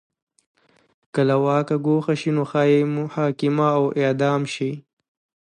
که له واکه ګوښه شي نو ښايي محاکمه او اعدام شي.